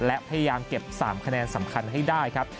และพยายามเก็บ๓คะแนนสำคัญให้ได้ครับ